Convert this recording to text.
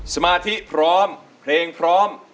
สมาธิพร้อมเพลงพร้อม